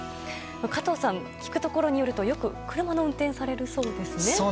加藤さん、聞くところによるとよく車の運転をされるんですよね。